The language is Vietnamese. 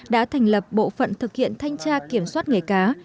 đã thành lập bộ phận thực hiện thanh tra kiểm soát nghề cá